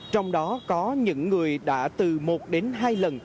trong đó có những người đã từ một đến hai lần